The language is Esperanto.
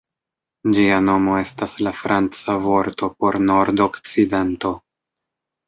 Ĝia nomo estas la franca vorto por "nord-okcidento".